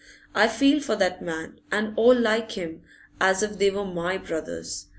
I feel for that man and all like him as if they were my brothers.